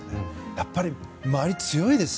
やっぱり、周り強いです。